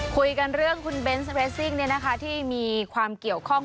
คุยกันเรื่องคุณเบนส์เรสซิ่งที่มีความเกี่ยวข้อง